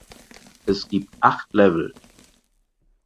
Es gibt acht Level.